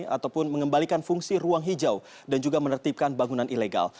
ataupun mengembalikan fungsi ruang hijau dan juga menertibkan bangunan ilegal